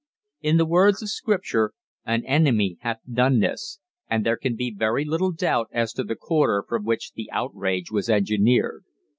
In the words of Scripture, 'An enemy hath done this,' and there can be very little doubt as to the quarter from which the outrage was engineered.